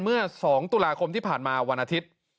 เมื่อ๒ตุลาคมที่ผ่านมาวันอาทิตย์